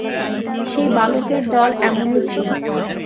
সেই বালকের দল এমনি ছিল।